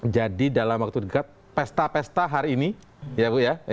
jadi dalam waktu dekat pesta pesta hari ini ya bu ya